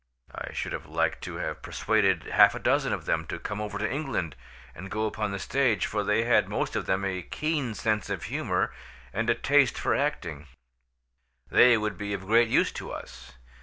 I should have liked to have persuaded half a dozen of them to come over to England and go upon the stage, for they had most of them a keen sense of humour and a taste for acting: they would be of great use to us.